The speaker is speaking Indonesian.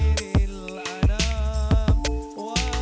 saya ingin mendengar suaranya